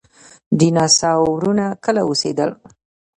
ډیناسورونه کله اوسیدل؟